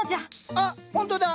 あっほんとだ。